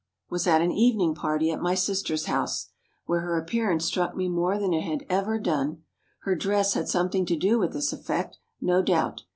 was at an evening party at my sister's house, where her appearance struck me more than it had ever done. Her dress had something to do with this effect, no doubt.